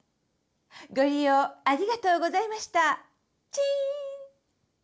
ご利用ありがとうございましたチーン！